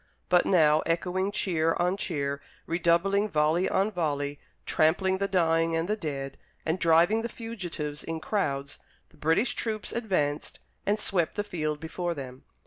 But now, echoing cheer on cheer, redoubling volley on volley, trampling the dying and the dead, and driving the fugitives in crowds, the British troops advanced and swept the field before them.